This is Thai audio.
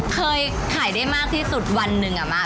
เคยขายได้มากที่สุดวันหนึ่งอะมาก